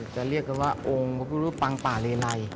เรียกกันว่าองค์พระพุทธรูปปังป่าเลไล